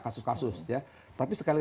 kasus kasus ya tapi sekali